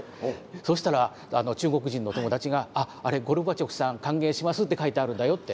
そしたら中国人の友達が「あれゴルバチョフさん歓迎します」って書いてあるんだよって。